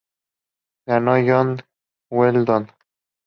Ganó John Weldon.